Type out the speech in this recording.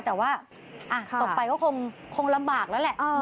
แต่ว่าตกไปก็คงลำบากแล้วแหละ